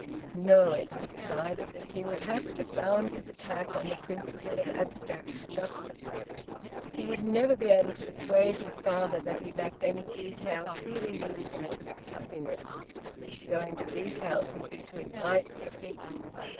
No, Edwin decided that he would have to found his attack on the principle of abstract justice; he would never be able to persuade his father that he lacked any detail truly needful to his happiness. To go into details would be to invite defeat.